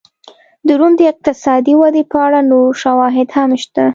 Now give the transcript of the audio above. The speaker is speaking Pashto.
د روم د اقتصادي ودې په اړه نور شواهد هم شته.